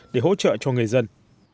để hỗ trợ cho người dân